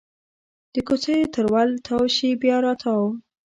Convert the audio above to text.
د کوڅېو تر ول تاو شي بیا راتاو